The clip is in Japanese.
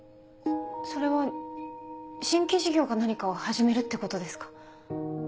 それは新規事業か何かを始めるってことですか？